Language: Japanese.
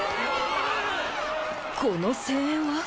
この声援は？